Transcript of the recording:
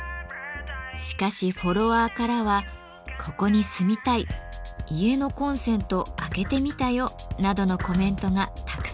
しかしフォロワーからは「ここに住みたい」「家のコンセント開けてみたよ」などのコメントがたくさん届きました。